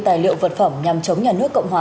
tài liệu vật phẩm nhằm chống nhà nước cộng hòa